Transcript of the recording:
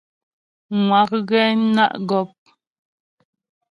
Ŋwa' ghɛ ná' gɔ́p.